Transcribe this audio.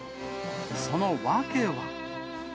その訳は。